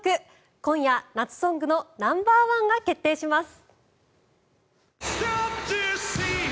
今夜、夏ソングのナンバーワンが決定します！